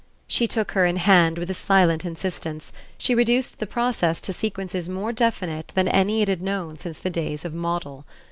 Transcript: She took her in hand with a silent insistence; she reduced the process to sequences more definite than any it had known since the days of Moddle.